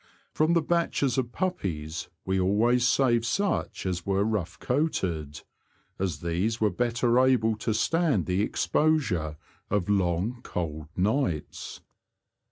From the batches of puppies we always saved such as were rough coated, as these were better able to stand the exposure of long, cold nights.